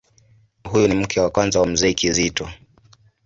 Huyu ni mke wa kwanza wa Mzee Kizito.